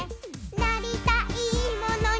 「なりたいものに」